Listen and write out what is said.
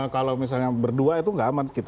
kalau misalnya berdua itu nggak amat